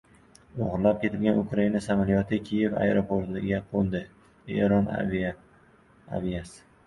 “O‘g‘irlab ketilgan Ukraina samolyoti” Kiyev aeroportiga qo‘ndi - Eron aviasiyasi